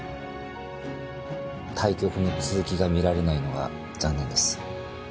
対局の続きが見られないのが残念です。